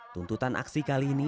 tuntutan aksi kali ini